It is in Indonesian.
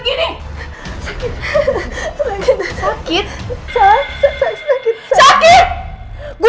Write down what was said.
jadi kami harus ikutan mesin ku